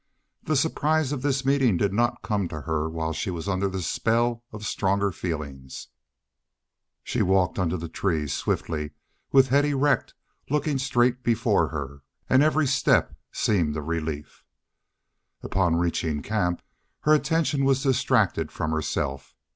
The surprise of this meeting did not come to her while she was under the spell of stronger feeling. She walked under the trees, swiftly, with head erect, looking straight before her, and every step seemed a relief. Upon reaching camp, her attention was distracted from herself.